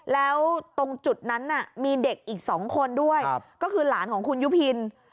แล้วตรงจุดนั้นมีเด็กอีก๒คนด้วยก็คือหลานของคุณยุพิน